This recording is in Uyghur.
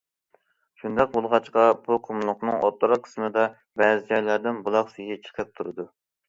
شۇنداق بولغاچقا، بۇ قۇملۇقنىڭ ئوتتۇرا قىسمىدا بەزى جايلاردىن بۇلاق سۈيى چىقىپ تۇرىدۇ.